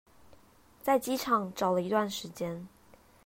在機場找了一段時間